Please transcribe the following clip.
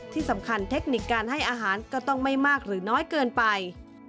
ที่สำคัญเทคนิคการให้อาหารก็ต้องไม่มากหรือน้อยเกินไป